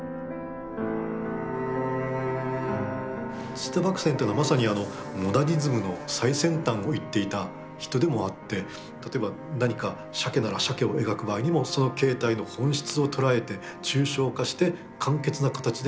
土田麦僊というのはまさにモダニズムの最先端を行っていた人でもあって例えば何かシャケならシャケを描く場合にもその形態の本質を捉えて抽象化して簡潔な形で表現しようと考えると。